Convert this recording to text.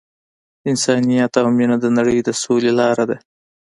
انسانیت او مینه د نړۍ د سولې لاره ده.